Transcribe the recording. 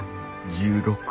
１６。